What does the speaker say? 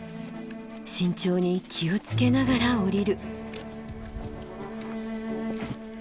慎重に気を付けながら下りる。